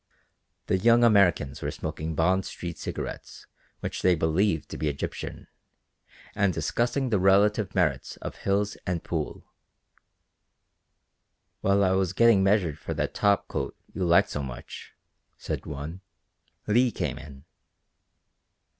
The young Americans were smoking Bond street cigarettes which they believed to be Egyptian, and discussing the relative merits of Hills and Poole. "While I was getting measured for that top coat you liked so much," said one, "Leigh came in."